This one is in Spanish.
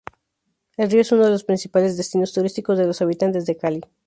El río es uno de los principales destinos turísticos de los habitantes de Cali.